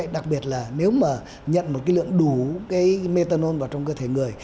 đặc biệt là nếu mà nhận một cái lượng đủ cái methanol vào trong cơ thể người